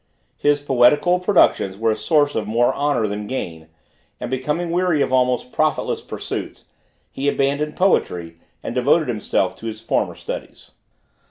His poetical productions were a source of more honor than gain, and, becoming weary of almost profitless pursuits, he abandoned poetry, and devoted himself to his former studies.